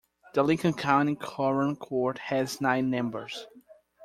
The Lincoln County Quorum Court has nine members.